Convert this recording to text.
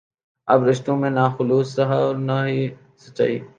اب رشتوں میں نہ خلوص رہا ہے اور نہ ہی سچائی